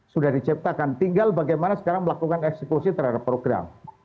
sudah diciptakan tinggal bagaimana sekarang melakukan eksekusi terhadap program